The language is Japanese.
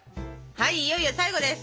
はいいよいよ最後です！